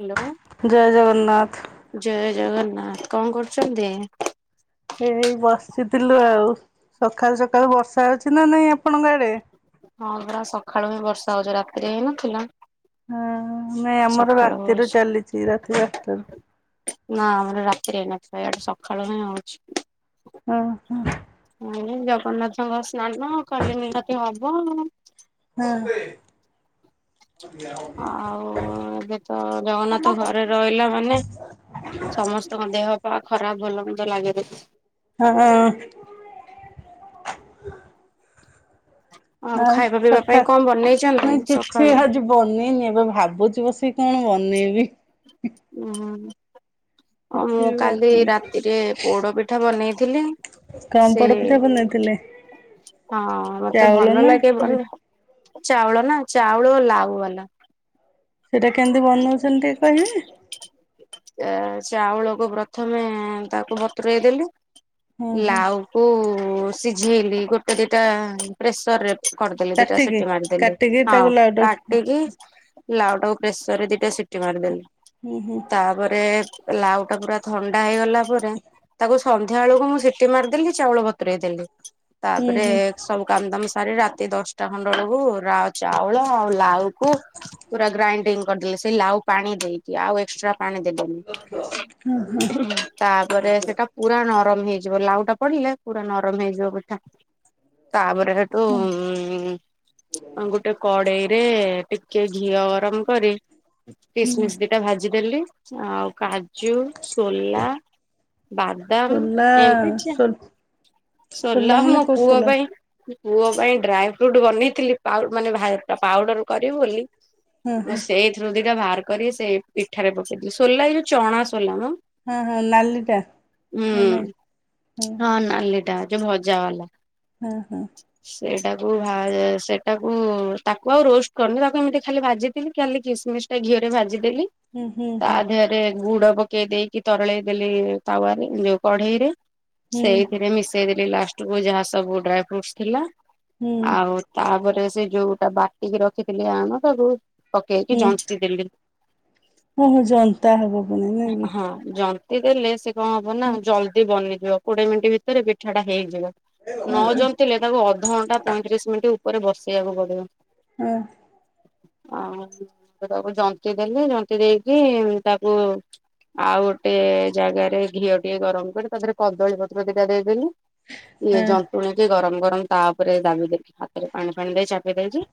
Hello. ଜୟ ଜଗନ୍ନାଥ। ଜୟ ଜଗନ୍ନାଥ କଣ କରୁଛନ୍ତି? ଏଇ ବସିଥିଲୁ ଆଉ ସକାଳୁ ସକାଳୁ ବର୍ଷା ଅଛି ନା ନାଇଁ ଆପଣଙ୍କ ଆଡେ ହଁ ପୁରା ସକାଳୁ ହିଁ ବର୍ଷା ହଉଚି ରାତିରେ ହିଁ ନଥିଲା। ହଁ ନାଇଁ ଆମର ରାତିରେ ହଉଛି। ଚାଲିଛି ରାତି ଆଠଟାରୁ। ନା ଆମର ରାତିରେ ହେଇ ନଥିଲା ଇଆଡେ ସକାଳୁ ହିଁ ହଉଛି। ଓ ହଁ। ନାଇ ଜଗନ୍ନାଥଙ୍କ ସ୍ନାନ କାଲି ନିହାତି ହବ। ହଁ। ଆଉ ଏବେ ତ ଜଗନ୍ନାଥ ଘରେ ରହିଲା ମାନେ ସମସ୍ତଙ୍କ ଦେହ ପା ଖରାପ ଭଲ ମନ୍ଦ୍ ଲାଗେ ର ହଁ। ଆଉ ଖାଇବା ପିଇବା ସଖା ପାଇଁ କଣ ବନେଇଛନ୍ତି ନଇ କିଛି ସକାଳୁ? ହଜିିବ ବନେଇନି ଏବେ ଭାବୁଚି ବସିକ କଣ ବନେଇବି। ଉୁ ଆଉ କିଛି ମୁଁ ବି କାଲି ବନେଇନି ରାତିରେ ପୋଡ ପିଠା ବନେଇଥିଲି କଣ ସେ ପୋଡ ପିଠା ବନେଇଥିଲେ ହଁ ମତେ ଚାଉଳ ଭଲ ନା ଲାଗେ ବି ମାନେ ଚାଉଳ ନା ଚାଉଳ ଲାଉ ବାଲା। ସେଇଟା କେମିତି ବନାଉଛନ୍ତିନ ଟିକେ କହିବେ? ଆ ଚାଉଳକୁ ପ୍ରଥମେ ତାକୁ ବତୁରଇ ଦେଲି ହଁ ହଁ। ଲାଉ କୁ ସିଝଇଲି ଗୋଟେ ଦିଟା ପ୍ରେସର ରେ କରିଦେଲି ଦିଟା କାଟିକି ସିଟି ମାରିଦେଲି କାଟିକି ହଁ ତାକୁ ଲାଉଡ କାଟିକି ଲାଉ ଟାକୁ ପ୍ରେସର ରେ ଦିଇଟା ସିଟି ମାରିଦେଲି। ହୁଁ ହୁଁ। ତାପରେ ଲାଉ ଟା ପୁରା ଥଣ୍ଡା ହେଇଗଲା ପରେ ତାକୁ ସୁ ସନ୍ଧ୍ୟା ବେଳକୁ ମୁଁ ସିଟି ମାରିଦେଲି ଚାଉଳ ବତୁରଇ ଦେଲି ତାପରେ ହୁଁ ସବୁ କନ୍ଦମ ସାରି ରାତି ଦଶଟା ଖଣ୍ଡେ ବେଳକୁ ରା ଚାଉଳ ଆଉ ଲାଉ କୁ ପୁରା ଗ୍ରାଇଣ୍ଡିଙ୍ଗ କରିଦେଲି ସେଇ ଲାଉ ପାଣି ଦେଇକି ଆଉ ଏକ୍ସଟ୍ରା ପାଣି ଦେବେନି। ତାପରେ ସେଟା ପୁରା ନରମ ହେଇଯିବ ଲାଉ ଟା ପଡିଲେ ପୁରା ନରମ ହେଇଯିବ ପିଠା। ତାପରେ ହେଠୁ ହୁଁ। ଉ ଗୋଟେ କଡେଇରେ ଟିକେ ଘିଅ ଗରମ କରି କିସମିସ୍ ଦିଟା ଭାଜିଦେଲି ଆଉ କା ଚୁ ସୋଲା ସୋଲା ବାଦାମ ଏମିତି ଚିଅ। ସୋ ସୋଲା ସୋଲ ମାନେ ମୋ କୋଉ ପୁଅ ସୋଲା ପାଇଁ ପୁଅ ପାଇଁ ଡ୍ରାଇ ଫ୍ରୁଟ ବନେଇଥିଲି ପାଉ ମାନେ ଭାଇ ତା ପାଉଡର କରିବି ବୋଲି ହଁ ମୁଁ ହଁ ସେଇ ଥୁରୁ ଦିଟା ବାହାର କରି ସେଇ ପିଠାରେ ପକେଇଥିଲି ସୋଲା ଏଇ ଯୋଉ ଚଣା ସୋଲା ମ। ହଁ ହଁ ଲାଲିଟା ହେଲେ ହଁ। ନାଲି ଟା ଆଜି ଭଜା ହେଲା। ହଁ ହଁ। ସେଇଟାକୁ ଭାଏ ସେଟାକୁ ତାକୁ ଆଉ ରୋଷ୍ଟ କମୀଲା କେମିତି ଖାଲି ଭାଜି କିଲୁ କେଲି କିସ୍ମିମିସ୍ ଟା ଘିଅରେ ଭାଜିଦେଲି ହୁଁ ତା ହୁଁ ଦେହରେ ଗୁଡ ପକେଇ ଦେଇକି ତରଳେଇ ଦେଲି ତାୱାରେ ଲୁଅ କଢେଇରେ। ହୁଁ ହୁଁ ସେଇଥିରେ ମିଶେଇି ଦେଲି ଲାଷ୍ଟକୁୁ ଯାହା ସବୁ ଡ୍ରାଇ ଫ୍ରୁଟ ଥିଲା। ହୁଁ ଆଉ ତାପରେ ସେ ଯୋଉଟା ବାଟିକି ରଖିଥିଲି ଆଣ ତାକୁ ପକେଇକି ଜନ୍ତି ଦେଲି। କୋମୁଁ ଜାଇତା ହଁ ଜନ୍ତି ଦେଲେ ସେ କଁ ହବ ନା ଜଲ ଦି ବନିଯିବ କୋଡିଏ ମିନିଟ୍ ଭିତରେ ପିଠାଟା ହେଇଯିବ ନଜଉ ଥିଲେ ତାକୁ ଅଧଘଣ୍ଟା ପଇଁରିଶ ମିନିଟ୍ ଉପରେ ବସେଇବାକୁ ପଡିବ। ହୁଁ। ଆ ତାକୁ ଜନ୍ତି ଦେଲି ଜନ୍ତି ଦେଇକି ତାକୁ ଆଉ ଗୋଟେ ଜାଗାରେ ଘିଅ ଟିକେ ଗରମ କରି ତା ଦେହରେ କଦଳୀ ପତ୍ର ଦିଟା ଦେଇଦେଲିି ଇଏ ହଁ ଜନ୍ତୁଳିକି ଗରମ ଗରମ ତା ଉପରେ ଦାବି ଦେଇକି ହାତରେ ପାଣି ଫାଣି ଦେଇ ଚାପି ଦେଇଚି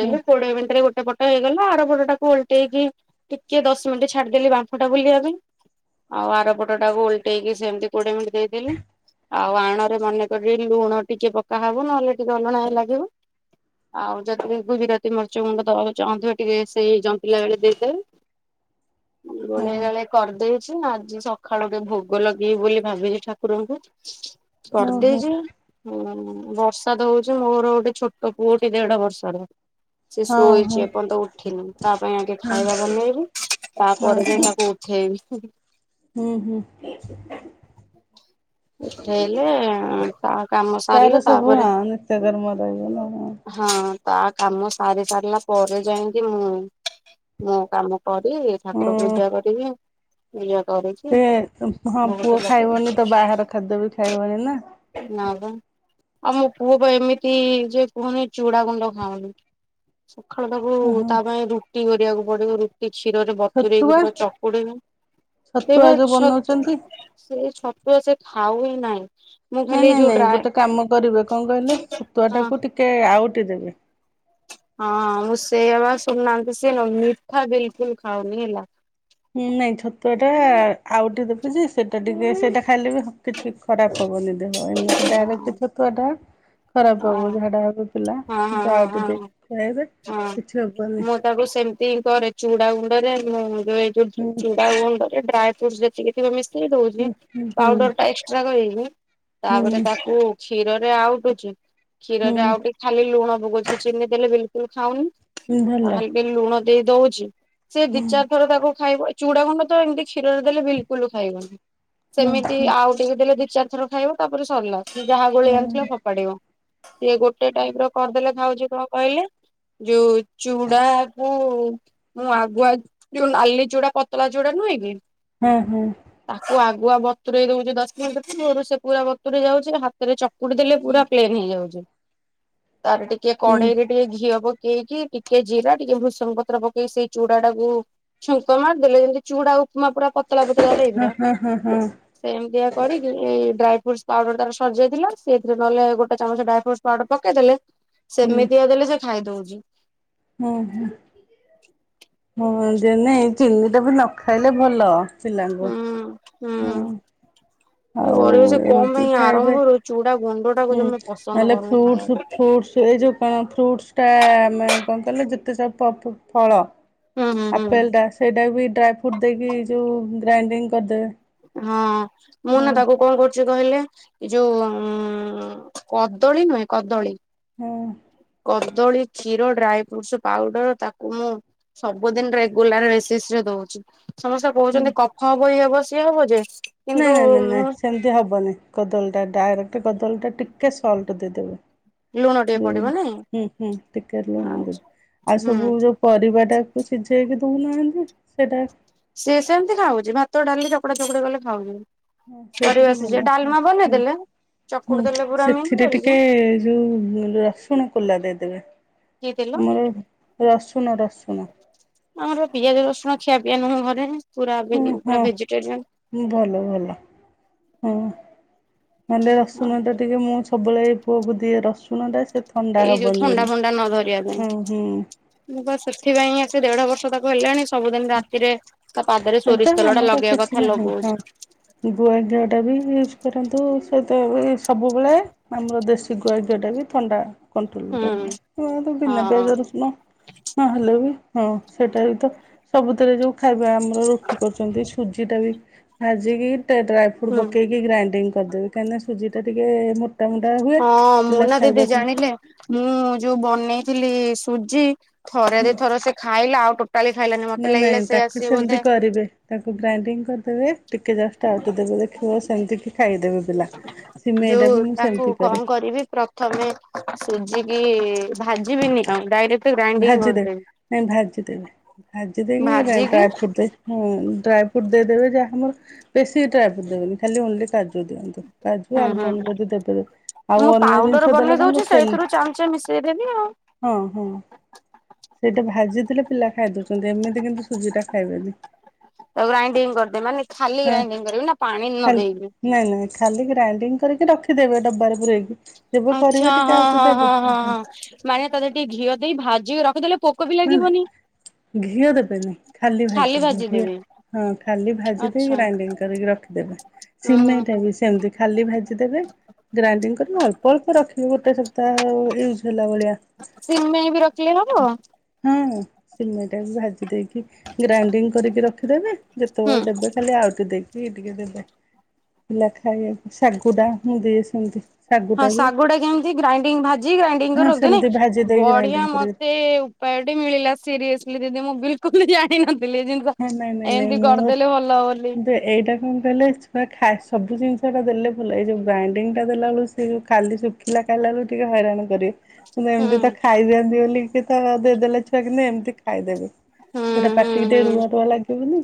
ହଁ ହୁଁ କୋଡିଏ ମିନିଟରେ ଗୋଟେ ପଟ ହେଇଗଲା। ଆର ଆରପଟଟାକୁ ଓଲଟେଇକି ଟିକେ ଦଶ ମିନିଟ୍ ଛାଡିଦେଲି ବାମ୍ପଟା ବୁଲାଇବା ପାଇଁ ଆଉ ଆରପଟଟାକୁ ଓଲଟେଇକି ସେମିତି କୋଡିଏ ମିନିଟ୍ ଦେଇଦେଲି। ଆଉ ଆଣରେ ମନେପକେଇରି ଲୁଣ ଟିକେ ପକା ହବ ନହେଲେ ଟିକେ ଅଲଣା ଲାଗିବ। ଆଉ ଯଦି ଗୁଗୁ ରାତି ମର୍ଚ୍ଚ ଗୁଣ୍ଡ ଦବାକୁ ଚାହୁଁ ଥିବେଟିକେ ସେ ଜନ୍ତିଲା ବେଳକୁ ଗୋଳେଇ ହଁ ଗାଳେଇ କରିଦେ। ଆଜିନା ଆଜି ସକାଳୁ ଭୋଗ ଲଗେଇବି ବୋଲି ଭାବିଛି ଠାକୁରଙ୍କୁ। ଓହୋ କରିଦେଇଛି। ହୁଁ ବର୍ଷାତ ହଉଚି ମୋର ଗୋଟେ ଛୋଟ ପୁଅଟିି ଦେଢ ବର୍ଷାର। ସେ ହଁ ହଁ ଶୋଇଛି ହଁ ଏପର୍ଯ୍ୟନ୍ତ ଉଠିନି ତା ପାଇଁ ଆଗେ ଖାଇବା ବନେଇବି ତାପରେ ହଁ ଯାଇ ତାକୁ ଉଠେଇବି। ହୁଁ ହୁଁ। ଉଠେଇଲେ ତା କାମ ସାରିଲେ ତାର ସବୁ ତାପରେ ହଁ ନିତ୍ୟ କର୍ମ ରହିଗଲା ହଁ। ହଁ ତା କାମ ସାରି ସାରିଲା ପରେ ଯାଇକି ମୁଁ ମୋ କାମ କରିବି ଠାକୁର ହଁ ପୂଜା କରିବି ଏଆ କରିଚି। ସେ ତୁମ୍ ହଁ ପୁଅ ଖାଇବନି ତ ବାହାର ଖାଦ୍ୟ ବି ଖାଇବନି ନା। ନା ପା ଆମ ପୁଅ ପା ଏମିତି ଯେ କୁହନି ଚୁଡା ଗୁଣ୍ଡ ଖାଉନି। ସଖାଳୁ ତାକୁ ଓହୋ ତା ପାଇଁ ରୁଟି କରିବାକୁ ପଡିବ। ଏଇ କ୍ଷୀରରେ ବତୁରେଇକି ଛତୁଆ ପୂରା ଚକୁଡିବୁ କ୍ଷେଇ ଛତୁଆ ପା ଯୋଉ ଛତୁଆ ବନଉଛନ୍ତି ସେଇ ଛତୁଆ ସେ ଖାଉ ହିଁ ନାଇଁ। ନାଇଁ ନାଇଁ ନାଇଁ ଗୋଟେ କାମ କରିବେ ଙ୍କ କହିଲେ ଛତୁଆ ହଁ ଟାକୁ ଟିକେ ଆଉଟି ଦେବେ। ହଁ ମୁଁ ସେଇଆ ପା ଶୁଣୁନାହାନ୍ତି ସିଏ ନା ମିଠା ବିଲକୁଲ ଖାଉନି ହେଲା। ହୁଁ ନାଇଁ ଛତୁଆ ଟା ଆଉଟି ଦେବୁଜେ ସେ ଟେଡି ଦିଏ ସେଇଟା ଖାଇଲେ ବି କିଛି ଖରାପ ହବନି ଦେହ ଏମିତି ହଁ ଡାଇରେକ୍ଟ ଛତୁଆ ଟା ଖରାପ ହଁ ହବନି ଝାଡ଼ା ହୋଉଥିଲା ହଁ ହଁ କିନ୍ତୁ ହଁ ଆଉଟି ହଁ ଦେଇକି ଖୁଆଇଦେ ହଁ କିଛି ହବନି। ମୁଁ ତାକୁ ସେମିତି କରେ ଚୁଡା ଗୁଣ୍ଡରେ ଉଁ ଏଇ ଯୋଉ ଚୁ ହୁଁ ଚୁଡା ଗୁଣ୍ଡରେ ଡ୍ରାଏ ଫ୍ରୁଟସ୍ ଟିକେ ଥିବା ମିଶେଇ ଦଉଚି ହୁଁ ହୁଁ ପାଉଡର ଟା ଏକ୍ସଟ୍ରା କରିକି ହୁଁ ତାପରେ କୁ କ୍ଷୀରରେ ଆଉଟୁଛି ହୁଁ କ୍ଷୀରରେ ଆଉଟି ଖାଲି ଲୁଣ ପକଉଛି ଚିନି ଦେଲେ ବିଲକୁଲ୍ ଖାଉନି ହୁଁ ଭଲ। ଆଉ ଖାଲି ଟିକେ ଲୁଣ ଦେଇ ଦଉଛି। ସେ ଦିଇ ହୁଁ ଚାରିଥର ତାକୁ ଖାଇବ ଚୁଡା ଖଣ୍ଡ ତ ଏମିତି କ୍ଷୀରରେ ଦେଲେ ବିଲକୁଲ୍ ଖାଇବନି। ସେମିତି ହୁଁ ଆଉ ଟିକେ ଟିକେ ଦେଲେ ଦି ଚାରି ଥର ଖାଇବ ତାପରେ ସରିଲା ଯାହା ଗୋଳେଇ ହୁଁ ଆଣିିଥିବ ଫୋପାଡିବ। ସିଏ ଗୋଟେ ଟାଇପ୍ ର କରିଦେଲେ ଖାଉଛି କଣ କହିଲେ? ଯୋଉ ଚୁଡାକୁ ମୁଁ ଆଗୁଆ ଯୋଉ ନାଲି ଚୁଡା ପତଳା ଚୁଡା ନୁହେଁ କି। ହୁଁ ହୁଁ। ତାକୁ ଆଗୁଆ ବତୁରେଇ ଦୋଉଛି ଦଶ ମିନିଟ୍ ପୁର୍ବରୁ ସେ ପୁରା ବତୁୁରି ଯାଉଚି ହା ହାତରେ ଚକୁଡି ଦେଲେ ପୁରା ପ୍ଲେନ ହେଇଯାଉଛି ତାର ଟିକେ ହୁଁ କଢେଇରେ ଟିକେ ଘିଅ ପକେଇକି ଟିକେ ଜିରା ଟିକେ ଭୃସଙ୍ଗ ପତ୍ର ପକେଇି ସେଇ ଚୁଡା ଟାକୁ ଚୁଙ୍କ ମାରି ଦେଲେ ଯେମିତି ଚୁଡା ଉପମା ପୁରା ପତଲା ପତଳା ହଁ ଟାଇପିର ହଁ ହଁ ହଁ ସେମିତିଆ କରିକି ଏଇ ଡ୍ରାଏ ଫ୍ରୁଟ ପାଉଡର ତାର ସରିଯାଇଥିଲା ସେଥିରେ ନହେଲେ ଗୋଟେ ଚାମଚ ଡ୍ରାଇ ଫ୍ରୁଟସ୍ ପାଉଡର ପକେଇ ଦେଲେ ହୁଁ ସେମିତିଆ ଦେଲେ ସେ ଖାଇଦଉଛି। ହଁ ହୁଁ। ହୁଁ ଦେନେ ଚିନି ଟା ବି ନ ଖାଇଲେ ଭଲ ପିଲାଙ୍କୁ ହୁଁ ହୁଁ। କରିବ ସେ କଁ ପାଇଁ ଖାଇବେ ଆରମ୍ଭରୁ ଚୁଡା ଗୁଣ୍ଡଟାକୁ ହୁଁ ଜମା ପସନ୍ଦ ନହେଲେ କରୁନି ଫ୍ରୁଟସ ଖାଇବାକୁ। ଫ୍ରୁଟସ ଏଇ ଯୋଉ ପାଇଁ ଫ୍ରୁଟସ୍ ଟା ଆମେ କଣ କଇଲେ ଯେତେ ସବୁ ପ ଫୁ ଫଳ ହୁଁ ହୁଁ ହୁଁ ଆପେଲ ଟା ସେଇଟାବି ଡ୍ରାଇ ଫ୍ରୁଟ ଦେଇକି ଯୋଉ ଗ୍ରାଇଣ୍ଡିଙ୍ଗ କରିଦେବେ। ହଁ ମୁଁ ହଁ ନା ତାକୁ କଣ କରୁଛି କହିଲେ? ଏ ଯୋଉ ଉ କଦଳୀ ନୁହେଁ କଦଳୀ। ହୁଁ। କଦଳୀ କ୍ଷୀର ଡ୍ରାଇ ଫ୍ରୁଟ୍ ସ୍ ପାଉଡର ତାକୁ ମୁଁ ସବୁଦିନ ରେଗୁଲାର ବେସିସ ରେ ଦୋଉଛି। ସମସ୍ତେ ହୁଁ କହୁଛନ୍ତି କଫ ହବ ଇଏ ହବ ସିଏ ହବ ଯେ। ନା କିନ୍ତୁ ନା ନା ନା ସେମିତି ହବନି କଦଳୀ ଟା ଡାଇରେକ୍ଟ କଦଳୀ ଟା ଟିକେ ସଲ୍ଟ ଦେଇଦେବେ। ଲୁଣ ଟିକେ ହୁଁ ପଡିବ ନାଇଁ ହୁଁ ହୁଁ ଟିକେ ଲୁଣ ଆଉ ହୁଁ ସବୁ ଯୋଉ ପରିବାଟାକୁ ସିଝେଇକି ଦଉନାହାନ୍ତି ସେଇଟା ସିଏ ସେମିତି ଖାଉଛି ଭାତ ଡାଲି ଚକଡା ଚକୁଡି କଲେ ଖାଉନି। ହଁ ସେଇଥିରେ ଭଲ ହଁ ହୁଁ ହୁଁ ଚକୁଡି ଦେଲେ ପୁରା ମିନ୍ ସେଥିରେ କରିକି ଟିକେ ଯେଉଁ ରସୁଣ କୋଲା ଦେଇଦେବେ କି ତେଲ ଆମର ରସୁଣ ରସୁଣ। ଆମର ପିଆଜ ରସୁଣ ଖିଆ ପିଆ ନୁହଁ ଘରେ। ପୁରା ଓ ପୁରା ହୋ ଭେଜିଟେରିଆନ ହୁଁ ଭଲ ଭଲ ହୁଁ। ନହେଲେ ରସୁଣ ଟା ଟିକେ ମୁଁ ସବୁବେଳେ ଏଇ ପୁଅକୁ ଦିଏ ରସୁଣ ଟା। ସେ ଥଣ୍ଡା ଏଇ ଯୋଉ ହବନି ଥଣ୍ଡା ବୋଲି। ଫଣ୍ଡା ନ ଧରିବା ହୁଁ ହୁଁ। ପାଇଁ। ମୁଁ ପା ସେଥିପାଇଁ ଆସି ଦେଢ ବର୍ଷ ତାକୁ ହେଲାଣି ସବୁଦିନ ରାତିରେ ତା ପାଦରେ ତ ସୋରିଷ ତେଲ ଟା ଆମର ଲଗେଇବା କିଛି କଥା ନାହିଁ ହଁ। ଲଗଉଛି। ଗୁଆ ଘିଅଟା ବି ୟୁଜ୍ କରନ୍ତୁ ସେଟା ବି ସବୁବେଳେ ଆମର ଦେଶୀ ଗୁଆ ଘିଅ ଟା ବି ଥଣ୍ଡା କଟ୍ରୋଲ ବି ହୁଁ। ରହିଲା। ତ ବିନା ହଁ ପିଆଜ, ରସୁଣ ନ ହେଲେ ବି ହଁ ସେଟା ବି ତ। ସବୁଥିରେ ଯୋଉ ଖାଇବା ଆମର ରୁଟି କରୁଛନ୍ତି ସୁଜି ଟା ବି ଭାଜିକି ଟ ଟେ ସେୁଟୁ ହୁଁ ପକେଇକି ଗ୍ରାଇଣ୍ଡିଙ୍ଗ କରିଦେବି କାହିଁକିନା ସୁଜିଟା ଟିକେ ମୋଟା। ମୋଟା ହୁଏ। ହଁ ମୁଁ ପିଲା ନା ଦିଦି ଖାଇବାକୁ ଜାଣିଲେ ମୁଁ ଯୋଉ ବନେଇଥିଲି ସୁଜି। ଥରେ ଦି ହୁଁ। ଥର ସେ ଖାଇଲା ଆଉ ଟୋଟାଲି ଖାଇଲାନି। ମତେ ନାଇଁ ନାଇଁ ଲାଗିଲା ସେ ତାକୁ ଆସି ସେମିତି ବୋଧେ କରିବେ ତାକୁ ଗ୍ରାଇଣ୍ଡିଙ୍ଗ କରିଦେବେ। ଟିକେ ଜଷ୍ଟଆଉଟି ଦେବେ ଦେଖିବ ସେମିତି କିି ଖାଇଦେବେ ପିଲା, ସିମେଇଟା ବି ମୁଁ ସେମିତି କରେ। କରିବେ ପ୍ର ପ୍ରଥମେ ସୁଝିକି ଭାଜିବିନି ଆଉ ଡାଇରେକ୍ଟ ଗ୍ରାଇଣ୍ଡିଙ୍ଗ ଭାଜି ଦେବେ କରିଦେବି ନାଇଁ ଭାଜି ଦେବେ ଭାଜି ଦେଇକି ଭାଜିକି ପ୍ରାୟ ଫୁଟଦେ ହୁଁ ଡ୍ରାଇ ଫ୍ରୁଟ୍ ଦେଇଦେବେ ଯାହାମର ବେଶୀ ଡ୍ରାଇ ଫ୍ରୁଟ୍ ଦେବେନି ଖାଲି ଓନ୍ଲି କାଜୁ ଦେଇଦିଅନ୍ତୁ। କାଜୁ ହୁଁ ହୁଁ ଆଲମଣ୍ଡ ଯଦି ଦେବେ ମୁଁ ଆଉ ଅନ୍ୟ ଜିନିଷ ଦେଲେ କଣ ତେଲ ଦେଇଦେବି ଆଉ। ହଁ ହଁ ସେଇଟା ଭାଜିଥିଲେ ପିଲା ଖାଇ ଦଉଛନ୍ତି ଏମିତି କିନ୍ତୁ ସୁଜିଟା ଖାଇବେନି। ତାକୁ ଗ୍ରାଇଡିଙ୍ଗ କରିଦେବି ମାନେ ଖାଲି ହଁ ଗ୍ରାଇଡିଂ କରିବି ନା ପାଣି ଖାଲି ନଦେଇବି? ନାଇଁ ନାଇଁ ଖାଲି ଗ୍ରାଇଣ୍ଡିଙ୍ଗ କରିକି ରଖିଦେବେ ଡବାରେ ପୂରେଇକି। ଆଚ୍ଛା ହଁ ହଁ ହଁ ହଁ ହଁ ମାନେ ତତେ ଟିକେ ଘିଅ ଦେଇ ଭାଜିକି ରଖିଦେଲେ ପୋକ ବି ନାଇଁ ଲାଗିବନି। ଘିଅ ଦେବେନି ଖାଲି ଭାଜିିବେ ଘିଅ। ହଁ ଖାଲି ଭାଜି ଦେଇକି ଆଚ୍ଛା। ଗ୍ରାଇଣ୍ଡିଙ୍ଗ କରିକି ରଖିଦବେ ସିମେଟା ହୁଁ ବି ସେମିତି। ଖାଲି ଭାଜିଦେବେ ଗ୍ରାଇଣ୍ଡିଙ୍ଗ କରିବେ ଅଳ୍ପ ଅଳ୍ପ ରଖିବେ ଗୋଟେ ସପ୍ତାହ ୟୁଜ୍ ହେଲା ଭଳିଆ। ସିମେଇ ବି ରଖିଲେ ହବ? ହୁଁ, ସିମେଇ ଟା ବି ଭାଜି ଦେଇକି ଗ୍ରାଇଣ୍ଡିଙ୍ଗ କରିକି ରଖିଦେବେ ହୁଁ ଯେତେବେଳେ ଦେବେ ଖାଲି ଆଉଟି ଦେଇକି କି ଟିକେ ଦେବେ, ପିଲା ଖାଇବାକୁ ସାଗୁ ଟା। ହଁ, ଶାଗୁଟା କେମିତି ଗ୍ରାଇଣ୍ଡିଙ୍ଗ ଭାଜି ଗ୍ରାଇଡିଙ୍ଗ ହଁ କରି ରଖଦେନେ ସେମିତି ଭାଜି ଦେଇକି ବଢିଆ ଗ୍ରାଇଣ୍ଡିଙ୍ଗ କରିବେ ମତେ ସେ ଉପାୟଟି ମିଳିଲା ସିରିୟସଲି ଦିଦି ମୁଁ ବିଲକୁଲ ଜାଣିିନଥିଲି? ଯେନ୍ତି। ହଁ [unintelligible] ଏମିତି କରିଦେଲେ ଭଲ ବୋଲି। ସେ ଏଇଟା କଣ କହି କହିଲେ? ଛୁଆ ଖା ସବୁ ଜିନିଷଟା ଦେଲେ ଭଲ ଏଇ ଯେଉଁ ଗ୍ରାଇଣ୍ଡିଙ୍ଗଟା ଦେଲାବେଳ ସେ ଯେଉଁ ଖାଲି ସୁ ଖିଲା ଖାଇଲାଳୁ ଟିକେ ହଇରାଣ କରିବେ ହୁଁ ଏମିତି ତ ଖାଇଦିଅନ୍ତି ବୋଲିକି ତ ଦେଇଦେଲେ ଚ କି ଏମିତି ଖାଇଦେବେ ହୁଁ ସେଇଟା ହୁଁ ପାଟିକି ଟିକେ ହୁଁ। ରୁଆ ରୁଆ ଲାଗିବନି।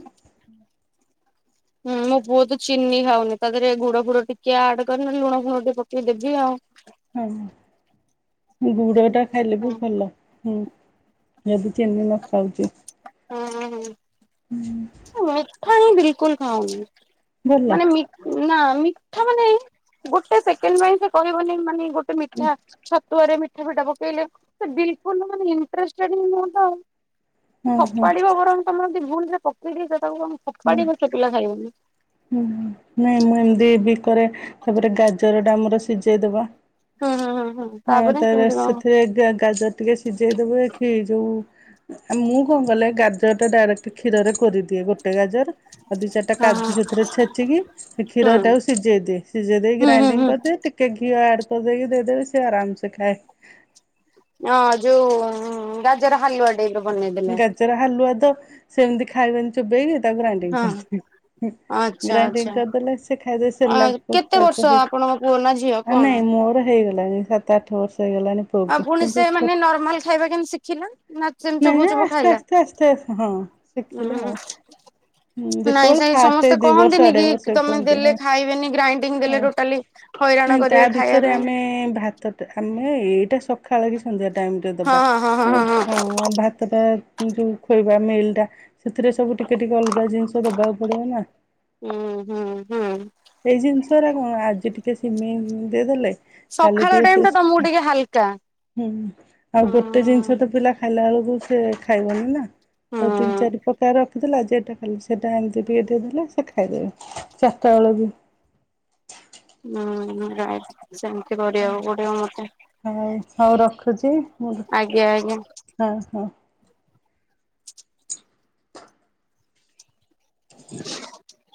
ହୁଁ ମୋ ପୁଅ ତ ଚିନି ଖାଉନି ତା ଦେହରେ ଗୁଡ ଫୁଡ ଟିକେ ଆଡ କରିନି ନହେଲେ ଲୁଣ ଫୁଣ ଟିକେ ପକେଇ ଦେବି ଆଉ। ହଁ, ଗୁଡ ଟା ଖାଇଲେ ବି ଭଲ ହୁଁ। ଯଦି ଚିନି ନ ଖାଉଛି। ହୁଁ ହ ହୁଁ। ହୁଁ। ମଠା ହିଁ ବିଲକୁଲ ଖାଉନି ଭଲ ମାନେ ମି ନା, ମିଠା ମାନେ ଗୋଟେ ସେକେଣ୍ଡ ପାଇଁ ସେ କହିବନି ମାନେ ଗୋଟେ ମିଠା ଛ ତୁଆରେ ମିଠା ଫିଠା ପକେଇଲେସେ ବିଲକୁଲ୍ ମାନେ ଇଣ୍ଟରେଷ୍ଟେଡ ହୁଆନ୍ତା। ହଁ ହଁ ଫପାଡିବ ବରଂ ତମର ଯଦି ଭୁଲ ସେ ପକେଇଦି ସେ ତାକୁ କଣ ହଁ। ଫପାଡିବ ସେପିଲା ଖାଇବନି। ହୁଁ, ନାଇଁ ମୁଁ ଏମିତି ଦି ପରେ ତାପରେ ଗାଜର ଟା ଆମର ସିଝେଇଦବା। ହଁ ହଁ ହଁ ହଁ। ହଁ, ତାର ସେଥିରେ ଗାଜର ଟିକେ ସିଝେଇଦବେ କି ଯୋଉ ଆ ମୁଁ କଣ କଲେ ଗାଜର ଟା ଡାଇରେକ୍ଟ କ୍ଷୀରରେ କରିଦିଏ ଗୋଟେ ଗାଜର ଆଉ ଦି ଚାରିଟା ହଁ ହଁ କାଜୁ ସେଥିରେ ଛେଚିକି ହୁଁ କ୍ଷୀରଟାକୁ କୁ ସିଝେଇଦିଏ। ସିଝେଇ ଦେଇ ହୁଁ ହୁଁ ଗ୍ରାଇଣ୍ଡିଙ୍ଗ ହୁଁ। କରିଦିଏ ଟିକିଏ ଘିଅ ଆଡ଼୍ କରିଦେଇକି ଦେଇଦେବେ ସିଏ ଆରାମସେ ଖାଏ। ହଁ ଯୋଉ ଗାଜର ହାଲୁଆ ଟାଇପରେ ବନେଇଦେଲେ। ହାଲୁଆ ତ ସେମିତି ଖାଇବା ଚୋବେଇବି ତାକୁ ଗ୍ରାଇଣ୍ଡଂ ହଁ କରିଦେବି। ଆଚ୍ଛା ଗ୍ରାଇଡି ଆଚ୍ଛା କରିଦେଲେ ସେ ଖାଇଦେ ସେ ଆ ଲ କେତେ ବର୍ଷ ଆପଣଙ୍କ ପୁଅ ନା ଝିଅ [unintelligible] କଣ? ନାଇଁ ମୋର ହେଇଗଲାଣି ସାତ ଆଠ ବର୍ଷ ହେଇଗଲାଣି। ଆ ପୁଅକୁ ପୁଣି ସେ ମାନେ ନର୍ମାଲ ଖାଇବା କେମତି ଶିଖିଲା? ନା ସେମିତି ନାଇ ଚୋବୋଉ ମ ଚୋବୋଉ ଆସ୍ତେ ଖାଇଲା? ଆସ୍ତେ ଆସ୍ତେ ହଁ ଶିଖିଲି ଆଉ। ଉଁ ହୁଁ ନାଇଁ ଯେତେବେଳେ ସେଇ ଫାଷ୍ଟ ସମସ୍ତେ ଏ ଦି ବର୍ଷ କହନ୍ତିନି ଅଢେଇ କି ବର୍ଷ ତମେ କୁହନ୍ତି ଦେଲେ ହଁ ଖାଇବେନି ଗ୍ରାଇଣ୍ଡିଙ୍ଗ ଦେଲେ ହଁ। ଟୋଟାଲି ହଇରାଣ ନାଇଁ ତା କରିବେ ଖାଇବା ଭିତରେ ପାଇଁ ଆମେ ଭାତଟିଏ ଆମେ ଏଇଟା ସକାଳେ କି ସନ୍ଧ୍ୟା ଟାଇମରେ ଦବା। ହଁ ହଁ ହଁ ହଁ ହଁ ଭାତଟା ଯୋଉ ଖୋଇବା ମିଲ୍ ଟା ସେଥିରେ ସବୁ ଟିକେ ଟିକେ ଅଲଗା ଜିନିଷ ଦବାକୁ ପଡିବ ନା। ହୁଁ ହୁଁ ହୁଁ। ଏଇ ଜିନିଷଟ କଣ ଆଜି ଟିକେ ସିମେଇ ଦେଇଦେଲେ? କାଲି ସକାଳ ଟିକେ ଟାଇମ ଶ ଟା ତମକୁ ଟିକେ ହାଲକା ହୁଁ ଆଉ ଉଁ ଗୋଟେ ଜିନିଷ ତ ପିଲା ଖାଇଲା ବେଳକୁ ସେ ଖାଇବନି ଆଉ ତିନି ହୁଁ। ଚାରି ପ୍ରକାର। ଦେଲା ଆଜି ଏଇଟା ଖାଲି ସେଇଟା ଏମିତି ଟିକେ ଟିକେ ଦେଲେ ସେ ଖାଇଦେବେ ଚାରିଟା ବେଳକୁ। ହୁଁ। ସେମିତି କରିବାଆକୁ ପୋଡିବ ମତେ। ଆଉ ହଉ ରଖୁଛି ମୁଁ ଆଜ୍ଞା ଆଜ୍ଞା। ହଁ ହଁ। ହ [unintelligible]